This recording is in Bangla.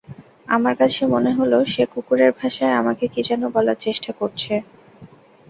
আমার কাছে মনে হল, সে কুকুরের ভাষায় আমাকে কী যেন বলার চেষ্টা করছে।